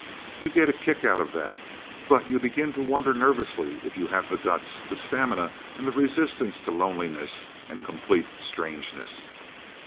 You get a kick out of that, but you begin to wonder nervously if you have the guts, the stamina, the resistance to loneliness and complete strangeness.